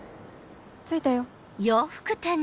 着いたよ。